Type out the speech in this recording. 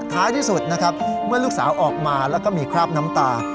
ท้ายที่สุดนะครับเมื่อลูกสาวออกมาแล้วก็มีคราบน้ำตา